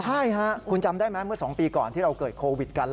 ใช่ค่ะคุณจำได้ไหมเมื่อ๒ปีก่อนที่เราเกิดโควิดกัน